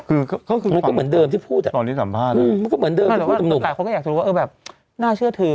อือแต่คือมันเหมือนเดิมที่พูดอะตอนนี้สัมภาษณ์อุ้นมันก็เหมือนเดิมต้องเริ่มนงะแต่เขาก็อยากจะรู้ว่าเออแบบน่าเชื่อทืม